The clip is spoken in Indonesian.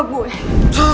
gak ada apa apa